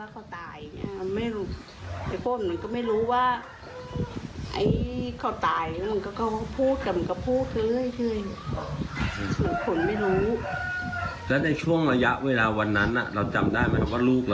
คนที่อยู่ก็รู้สึกว่าว่าว่าว่าว่าอะไรก็ไม่รู้